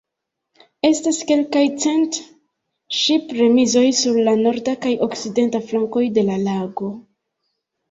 Estas kelkaj cent ŝip-remizoj sur la norda kaj okcidenta flankoj de la lago.